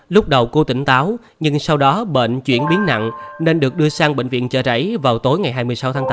lúc đầu cô tỉnh táo nhưng sau đó bệnh chuyển biến nặng nên được đưa sang bệnh viện chợ rẫy vào tối ngày hai mươi sáu tháng tám